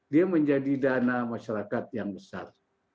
dia menjadi dana masyarakat yang besar